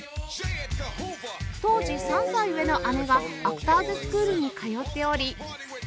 当時３歳上の姉がアクターズスクールに通っており